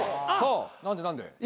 何で何で？